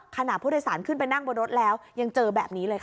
ขณะผู้โดยสารขึ้นไปนั่งบนรถแล้วยังเจอแบบนี้เลยค่ะ